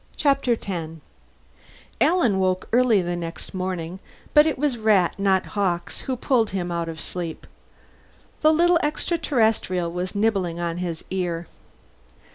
Chapter Ten Alan woke early the next morning, but it was Rat, not Hawkes, who pulled him out of sleep. The little extra terrestrial was nibbling on his ear.